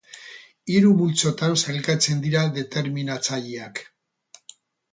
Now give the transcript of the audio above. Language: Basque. Hiru multzotan sailkatzen dira determinatzaileak.